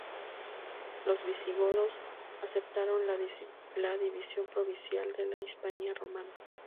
Los visigodos aceptaron la división provincial de la Hispania Romana.